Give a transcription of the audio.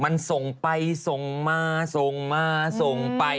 มันส่งไปส่งมาส่งมาส่งไป